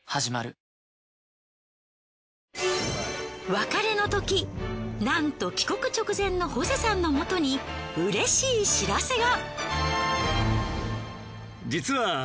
別れの時なんと帰国直前のホセさんのもとに嬉しい知らせが。